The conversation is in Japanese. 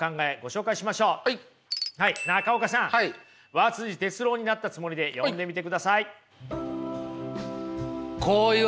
和哲郎になったつもりで読んでみてください。